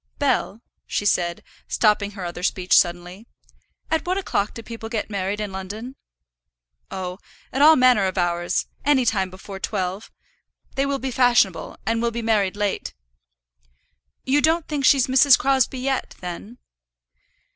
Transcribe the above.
"Bell," she said, stopping her other speech suddenly, "at what o'clock do people get married in London?" "Oh, at all manner of hours, any time before twelve. They will be fashionable, and will be married late." "You don't think she's Mrs. Crosbie yet, then?"